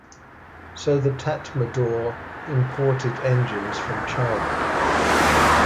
So the Tatmadaw imported engines from China.